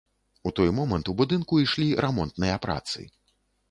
У той момант у будынку ішлі рамонтныя працы.